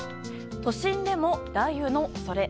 都心でも雷雨の恐れ。